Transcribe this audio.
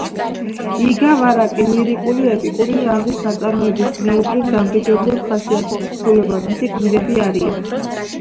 იგავ-არაკი — ლირიკულ-ეპიკური ჟანრის ნაწარმოები, ზნეობრივ-დამრიგებლური ხასიათის თხზულება. მისი გმირები არიან